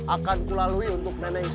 akan kulalui untuk nenek isu